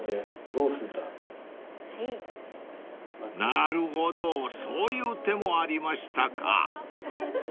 ［なるほどそういう手もありましたか］